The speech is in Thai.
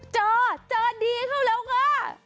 เจอเจอดีเข้าแล้วค่ะ